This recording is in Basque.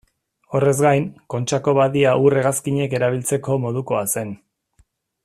Horrez gain, Kontxako badia ur-hegazkinek erabiltzeko modukoa zen.